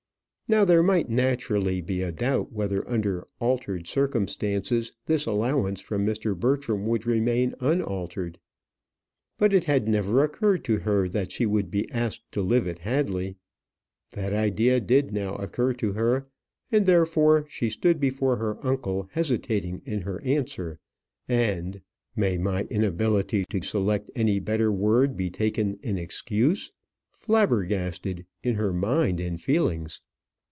Now there might naturally be a doubt whether under altered circumstances this allowance from Mr. Bertram would remain unaltered. But it had never occurred to her that she would be asked to live at Hadley. That idea did now occur to her, and therefore she stood before her uncle hesitating in her answer, and may my inability to select any better word be taken in excuse? "flabbergasted" in her mind and feelings.